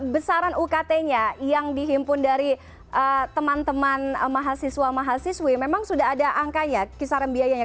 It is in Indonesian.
besaran ukt nya yang dihimpun dari teman teman mahasiswa mahasiswi memang sudah ada angkanya kisaran biayanya